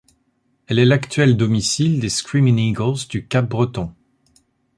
Elle est l'actuelle domicile des Screaming Eagles du Cap-Breton.